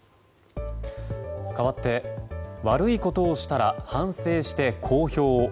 かわって、悪いことをしたら反省して公表を。